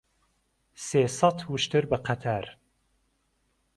سێ سەت وشتر به قهتار